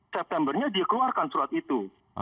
sembilan belas septembernya dia keluarkan surat itu